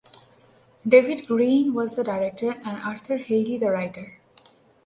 David Greene was the director and Arthur Hailey the writer.